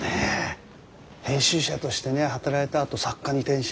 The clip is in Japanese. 編集者としてね働いたあと作家に転身。